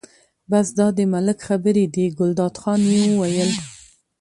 بس دا د ملک خبرې دي، ګلداد خان یې وویل.